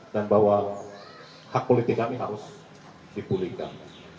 dan bahwa hak politik kami harus dipulihkan